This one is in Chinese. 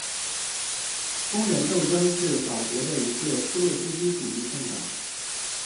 工人斗争是法国的一个托洛茨基主义政党。